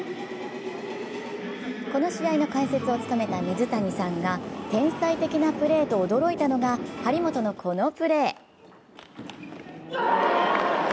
この試合の解説を務めた水谷さんが天才的なプレーと驚いたのが、張本のこのプレー。